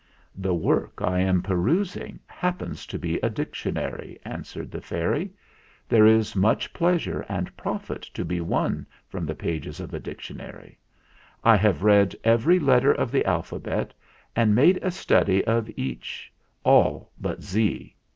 "The work I am perusing happens to be a dictionary," answered the fairy. "There is much pleasure and profit to be won from the pages of a dictionary. I have read every let ter of the alphabet, and made a study of each all but 'z.'